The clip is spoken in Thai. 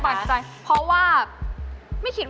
เพราะว่าไม่คิดว่าราคาต่างกันค่ะ